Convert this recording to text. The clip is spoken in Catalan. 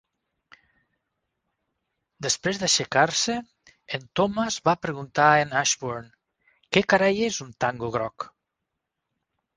Després d'aixecar-se en Thomas va preguntar a en Ashburn, Què carai és un "Tango groc"?